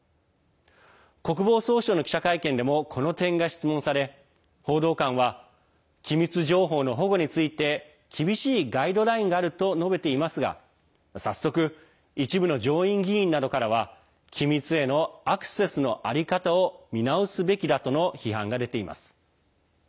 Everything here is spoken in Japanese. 国防総省の記者会見でもこの点が質問され報道官は機密情報の保護について厳しいガイドラインがあると述べていますが早速、一部の上院議員などからは機密へのアクセスの在り方を見直すべきだとの批判が出ています。